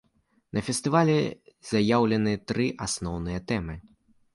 На фестывалі заяўлены тры асноўныя тэмы.